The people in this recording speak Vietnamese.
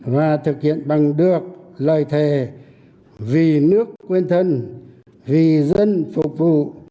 và thực hiện bằng được lời thề vì nước quên thân vì dân phục vụ